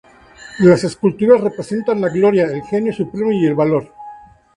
Las esculturas representan la Gloria, el Genio Supremo y el Valor.